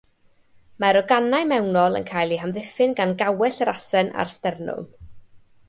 Mae'r organau mewnol yn cael eu hamddiffyn gan gawell yr asen a'r sternwm.